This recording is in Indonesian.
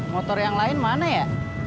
motor yang lain mana ya